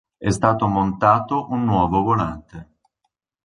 È stato montato un nuovo volante.